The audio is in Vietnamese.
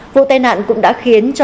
vụ tai nạn cũng đã khiến cho